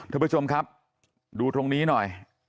ทุกผู้ชมครับดูตรงนี้หน่อย